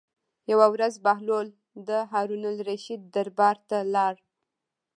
یوه ورځ بهلول د هارون الرشید دربار ته لاړ.